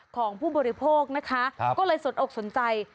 ของผู้บริโภคนะคะก็เลยสนอกสนใจ